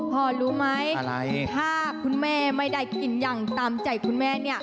รู้ไหมถ้าคุณแม่ไม่ได้กินอย่างตามใจคุณแม่